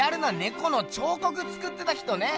この彫刻つくってた人ね！